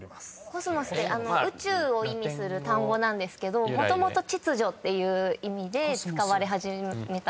「コスモス」って宇宙を意味する単語なんですけどもともと秩序っていう意味で使われ始めたんですよ。